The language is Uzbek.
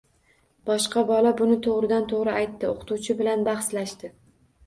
Boshqa bola buni to‘g‘ridan-to‘g‘ri aytdi, o‘qituvchi bilan bahslashdi